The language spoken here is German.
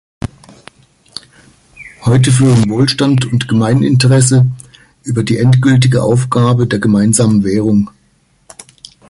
Heute führen Wohlstand und Gemeininteresse über die endgültige Aufgabe der gemeinsamen Währung.